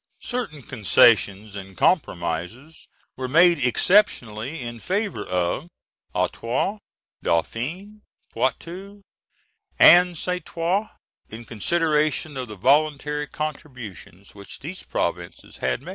Certain concessions and compromises were made exceptionally in favour of Artois, Dauphiné, Poitou, and Saintonge, in consideration of the voluntary contributions which those provinces had made.